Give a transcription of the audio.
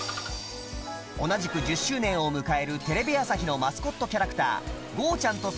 同じく１０周年を迎えるテレビ朝日のマスコットキャラクターゴーちゃん。